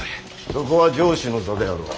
そこは城主の座であろう。